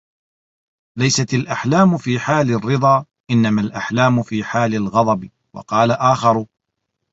لَيْسَتْ الْأَحْلَامُ فِي حَالِ الرِّضَى إنَّمَا الْأَحْلَامُ فِي حَالِ الْغَضَبِ وَقَالَ آخَرُ